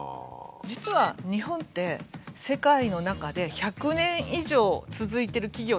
実は日本って世界の中で１００年以上続いてる企業の数が一番多い国。